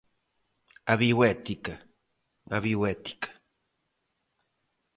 A bioética, a bioética.